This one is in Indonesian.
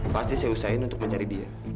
pasti saya usahain untuk mencari dia